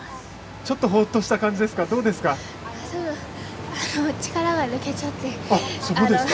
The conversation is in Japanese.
ちょっとほっとした感じですかどうですか。